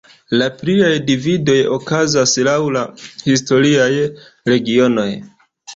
La pliaj dividoj okazas laŭ la historiaj regionoj.